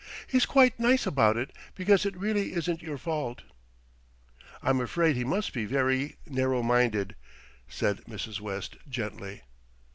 He's quite nice about it, because it really isn't your fault." "I'm afraid he must be very narrow minded," said Mrs. West gently.